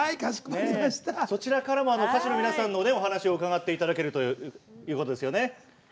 そちらからも歌手の皆さんのお話を伺っていただけるということですよね。